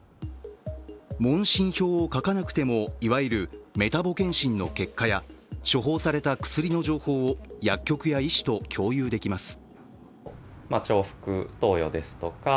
問診票を書かなくてもいわゆるメタボ健診の結果や処方された薬の情報を薬局や医師と共有できます。